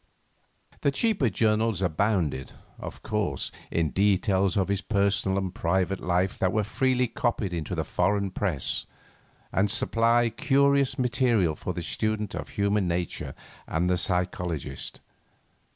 The cheaper journals abounded, of course, in details of his personal and private life that were freely copied into the foreign press, and supply curious material for the student of human nature and the psychologist.